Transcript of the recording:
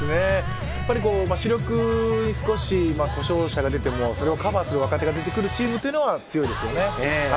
主力に少し故障者が出てもそれをカバーする若手が出てくるチームというのは強いですよね。